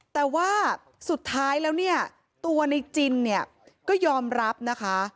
แต่ว่าสุดท้ายแล้วตัวในจินก็ยอมรับนะคะ